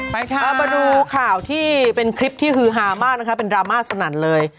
ไปดูข่าวข้ะที่เป็นคลิปหือฮามากนะฮะเป็นราม่าสนั่นเลย